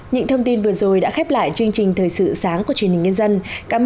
những thông tin vừa rồi đã khép lại chương trình thời sự sáng của truyền hình nhân dân cảm